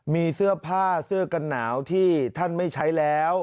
มีเสื้อผ้าเสื้อกันหนาวที่ท่านไม่ใช้แล้ว